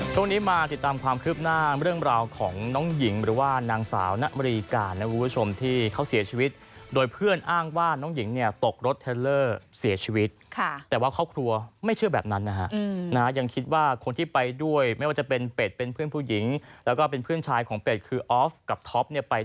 ช่วงนี้มาติดตามความคืบหน้าเรื่องราวของน้องหญิงหรือว่านางสาวนรีการนะคุณผู้ชมที่เขาเสียชีวิตโดยเพื่อนอ้างว่าน้องหญิงเนี่ยตกรถเทลเลอร์เสียชีวิตค่ะแต่ว่าครอบครัวไม่เชื่อแบบนั้นนะฮะยังคิดว่าคนที่ไปด้วยไม่ว่าจะเป็นเป็ดเป็นเพื่อนผู้หญิงแล้วก็เป็นเพื่อนชายของเป็ดคือออฟกับท็อปเนี่ยไป